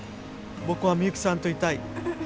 僕はミユキさんといたい。